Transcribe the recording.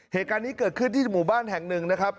เหตุการณ์นี้เกิดขึ้นที่หมู่บ้านแห่งหนึ่งนะครับ